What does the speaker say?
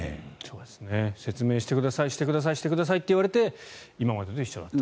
説明してくださいしてください、してくださいと言われて今までと一緒だった。